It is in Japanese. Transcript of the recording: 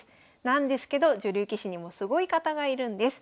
なんですけど女流棋士にもすごい方がいるんです。